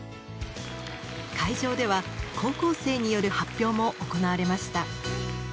会場では高校生による発表も行われました。